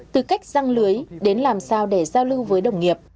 từ cách răng lưới đến làm sao để giao lưu với đồng nghiệp